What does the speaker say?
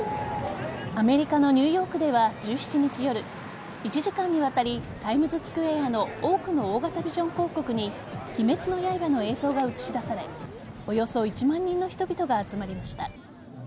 アメリカのニューヨークでは１７日夜１時間にわたりタイムズスクエアの多くの大型ビジョン広告に「鬼滅の刃」の映像が映し出されおよそ１万人の人々が集まりました。